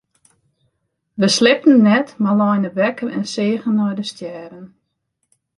Wy sliepten net mar leine wekker en seagen nei de stjerren.